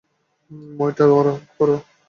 মইটা বড় কর।